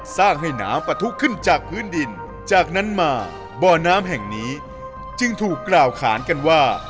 สร้างให้น้ำปะทุขึ้นจากพื้นดินจากนั้นมาบ่อน้ำแห่งนี้จึงถูกกล่าวขานกันว่า